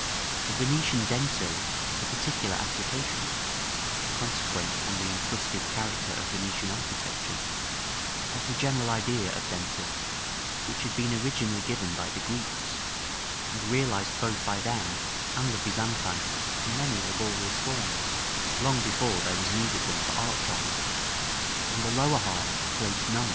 The Venetian dentil is a particular application (consequent on the incrusted character of Venetian architecture) of the general idea of dentil, which had been originally given by the Greeks, and realised both by them and by the Byzantines in many laborious forms, long before there was need of them for arch armor; and the lower half of Plate IX.